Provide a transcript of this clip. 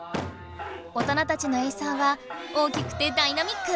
大人たちのエイサーは大きくてダイナミック！